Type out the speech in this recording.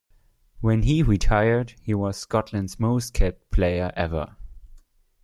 When he retired, he was Scotland's most-capped player ever.